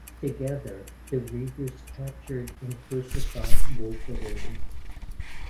Together, the Reavers captured and crucified Wolverine.